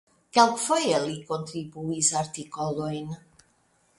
Kelkfoje li kontribuis artikolojn.